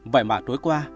vậy mà tối qua